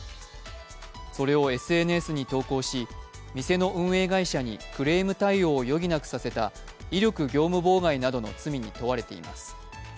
それをＳＮＳに投稿し、店の運営会社にクレーム対応を余儀なくさせた威力業務妨害などの罪に問われています。